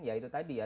ya itu tadi ya